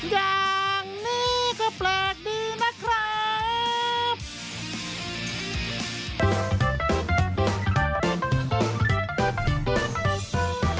อย่างนี้ก็แปลกดีนะครับ